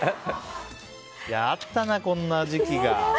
あったな、こんな時期が。